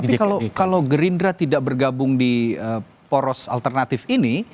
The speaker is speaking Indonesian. tapi kalau gerindra tidak bergabung di poros alternatif ini